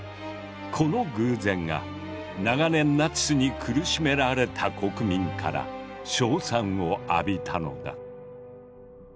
この偶然が長年ナチスに苦しめられた国民から称賛を浴びたのだ。